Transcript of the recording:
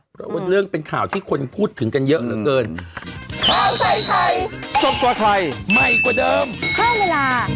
เพราะว่าเรื่องเป็นข่าวที่คนพูดถึงกันเยอะเหลือเกิน